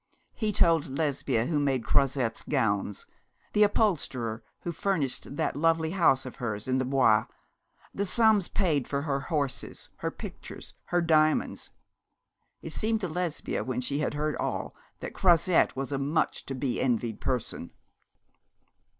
He told Lesbia who made Croizette's gowns the upholsterer who furnished that lovely house of hers in the Bois the sums paid for her horses, her pictures, her diamonds. It seemed to Lesbia, when she had heard all, that Croizette was a much to be envied person.